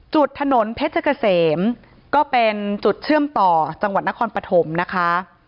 ถนนเพชรเกษมก็เป็นจุดเชื่อมต่อจังหวัดนครปฐมนะคะ